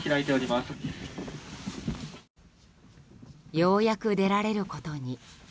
ようやく出られることに。